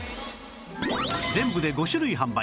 全部で５種類販売